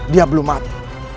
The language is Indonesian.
dia belum mati